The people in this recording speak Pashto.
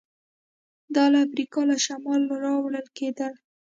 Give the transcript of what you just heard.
دا له افریقا له شماله راوړل کېدل